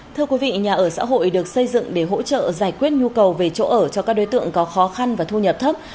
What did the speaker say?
thưa quý vị nhà ở xã hội được xây dựng để hỗ trợ giải quyết nhu cầu về chỗ ở cho các đối tượng có khó khăn và thu nhập thấp